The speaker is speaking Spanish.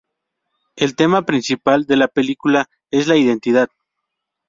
El tema principal de la película es la identidad.